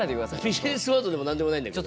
ビジネスワードでも何でもないんだけど。